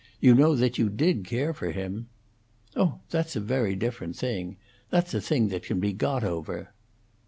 You know that, you did care for him." "Oh! that's a very different thing. That's a thing that can be got over."